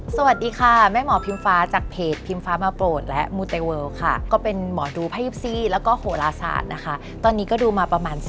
สวัสดีค่ะแม่หมอพิมฟ้าจากเพจพิมพ์ฟ้ามาโปรดและมูเตเวิลค่ะก็เป็นหมอดูภาพ๒๔แล้วก็โหลศาสตร์นะคะตอนนี้ก็ดูมาประมาณ